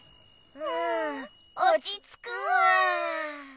うんおちつくわ。